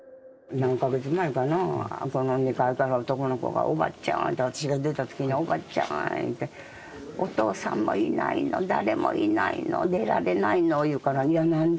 何か月前かな、この２階から男の子が、おばちゃーんって、私が出たときに、おばちゃーん言うて、お父さんもいないの、誰もいないの、出られないの言うから、いや、なんで？